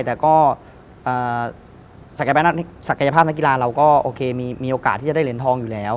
แต่ก็ศักยภาพนักกีฬาเราก็โอเคมีโอกาสที่จะได้เหรียญทองอยู่แล้ว